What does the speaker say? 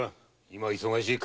今は忙しい。